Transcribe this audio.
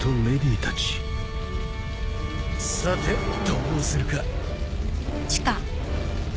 さてどうするか。